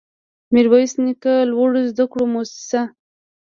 ميرويس نيکه لوړو زده کړو مؤسسه